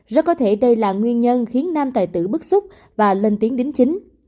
rất có thể đây là nguyên nhân khiến nam tài tử bức xúc và lên tiếng đính chính